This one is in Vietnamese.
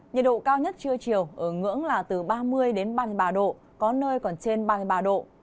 nhiệt độ cao nhất trưa chiều ở ngưỡng là từ ba mươi đến ba mươi ba độ có nơi còn trên ba mươi ba độ